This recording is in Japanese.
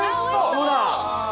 ほら！